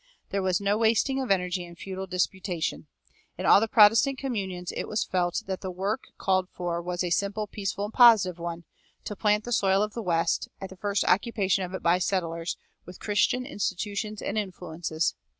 There was no wasting of energy in futile disputation. In all the Protestant communions it was felt that the work called for was a simple, peaceful, and positive one to plant the soil of the West, at the first occupation of it by settlers, with Christian institutions and influences.